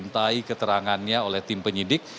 dimintai keterangannya oleh tim penyidik